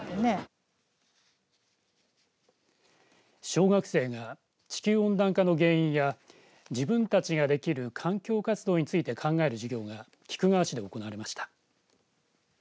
小学生が地球温暖化の原因や自分たちができる環境活動について考える授業が菊川市で行われました。